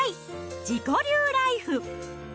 自己流ライフ。